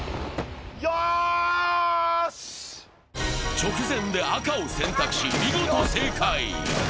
直前で赤を選択し、見事正解。